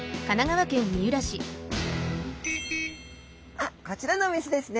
あっこちらのお店ですね。